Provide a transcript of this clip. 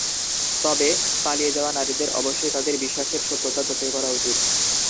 তবে, পালিয়ে যাওয়া নারীদের অবশ্যই তাদের বিশ্বাসের সত্যতা যাচাই করা উচিত।